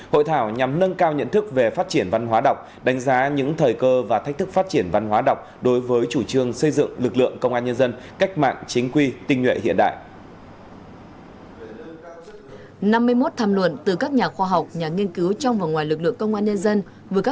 hội thảo nhằm nâng cao nhận thức về phát triển văn hóa đọc đánh giá những thời cơ và thách thức phát triển văn hóa đọc đối với chủ trương xây dựng lực lượng công an nhân dân cách mạng chính quy tinh nhuệ hiện đại